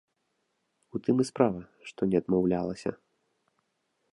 У тым і справа, што не адмаўлялася.